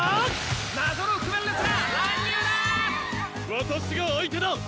私が相手だ！